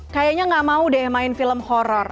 kayaknya nggak mau deh main film horror